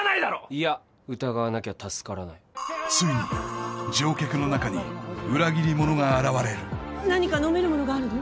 いや疑わなきゃ助からないついに乗客の中に裏切り者が現れる何か飲めるものがあるの？